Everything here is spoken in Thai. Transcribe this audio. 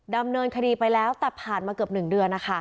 ดำเนินคดีไปแล้วแต่ผ่านมาเกือบ๑เดือนนะคะ